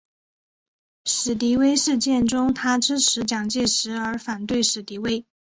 史迪威事件中他支持蒋介石而反对史迪威。